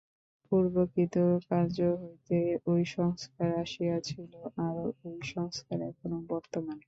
পূর্বকৃত কার্য হইতে ঐ সংস্কার আসিয়াছিল, আর ঐ সংস্কার এখনও বর্তমান।